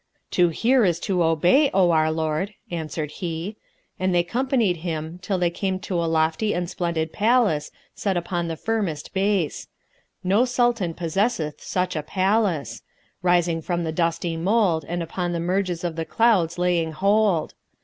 "To hear is to obey, O our lord," answered he; and they companied him till they came to a lofty and splendid palace set upon the firmest base; no Sultan possesseth such a place; rising from the dusty mould and upon the merges of the clouds laying hold.